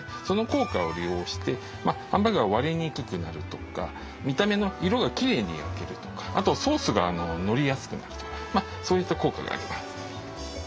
その効果を利用してハンバーグが割れにくくなるとか見た目の色がきれいに焼けるとかあとソースがのりやすくなるとかそういった効果があります。